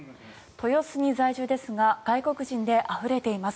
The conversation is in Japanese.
豊洲に在住ですが外国人であふれています。